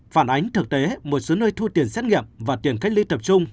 phản ánh thực tế một số nơi thu tiền xét nghiệm và tiền cách ly tập trung